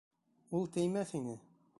— Ул теймәҫ ине.